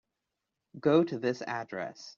Go to this address.